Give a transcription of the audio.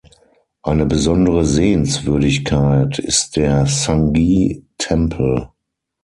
Eine besondere Sehenswürdigkeit ist der Sanghi-Tempel.